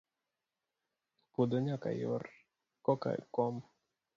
Puodho nyaka yor koka kom.